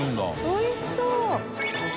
おいしそう。